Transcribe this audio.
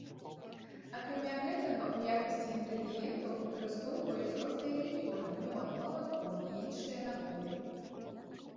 Акрамя гэтага ў якасці інгрэдыентаў выкарыстоўваюць розныя лікёры, мёд, малако і іншыя напоі.